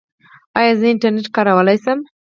ایا زه انټرنیټ کارولی شم؟